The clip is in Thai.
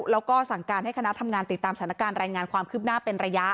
แล้วก็สั่งการให้คณะทำงานติดตามสถานการณ์รายงานความคืบหน้าเป็นระยะ